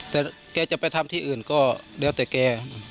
แต่แกจะไปทำที่อื่นก็แล้วแต่แก